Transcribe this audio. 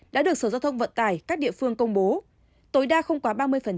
đã được sở giao thông vận tải các địa phương công bố tối đa không quá ba mươi